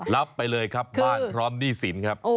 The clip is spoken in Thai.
รับไปเลยครับว่าร้อมลี่สินครับ